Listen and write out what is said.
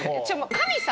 神様？